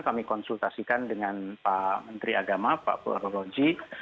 kami konsultasikan dengan pak menteri agama pak purworoji